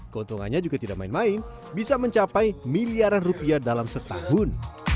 keuntungannya juga tidak main main bisa mencapai miliaran rupiah dalam setahun